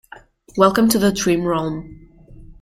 Welcome to the dream realm.